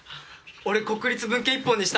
俺国立文系一本にした。